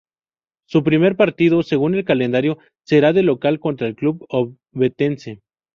Su primer partido según el calendario será de local contra el club Ovetense.